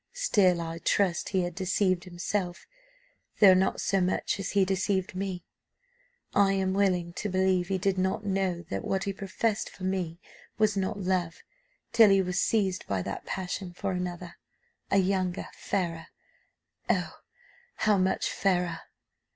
Still I trust he had deceived himself, though not so much as he deceived me. I am willing to believe he did not know that what he professed for me was not love, till he was seized by that passion for another, a younger, fairer Oh! how much fairer.